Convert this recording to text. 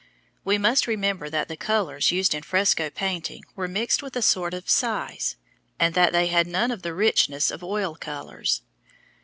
We must remember that the colors used in fresco painting were mixed with a sort of "size" and that they had none of the richness of oil colors.